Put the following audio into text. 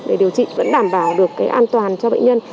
để điều trị vẫn đảm bảo được cái an toàn cho bệnh nhân